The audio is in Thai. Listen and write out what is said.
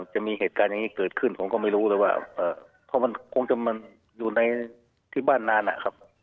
จะมีเหตุการณ์อย่างนี้เกิดขึ้นผมก็ไม่รู้เลยว่าเพราะมันคงจะมาอยู่ในที่บ้านนานนะครับ